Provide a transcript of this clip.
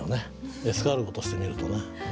エスカルゴとして見るとね。